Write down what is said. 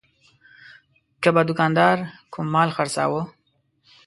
که به دوکاندار کوم مال خرڅاوه.